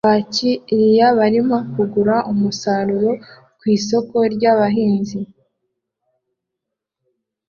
Abakiriya barimo kugura umusaruro ku isoko ryabahinzi